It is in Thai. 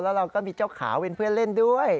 แล้วเราก็มีเจ้าขาวเป็นเพื่อนเล่นด้วย